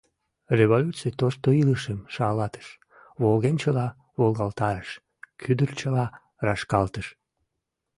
Революций тошто илышым шалатыш, волгенчыла волгалтарыш, кӱдырчыла рашкалтыш!..